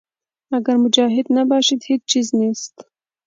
اګر مجاهدین نباشد هېچ چیز نیست.